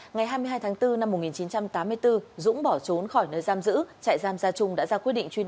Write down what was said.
ngày hai mươi hai tháng bốn năm một nghìn chín trăm tám mươi bốn dũng bỏ trốn khỏi nơi giam giữ